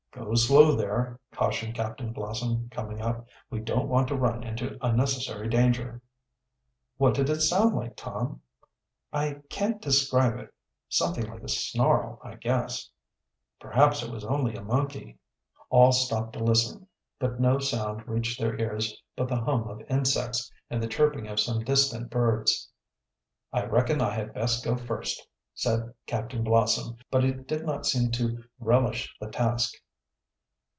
"Go slow there," cautioned Captain Blossom, coming up. "We don't want to run into unnecessary danger." "What did it sound like, Tom?" "I can't describe it. Something like a snarl, I guess." "Perhaps it was only a monkey." All stopped to listen, but no, sound reached their ears but the hum of insects and the chirping of some distant birds. "I reckon I had best go first," said Captain Blossom, but he did not seem to relish the task.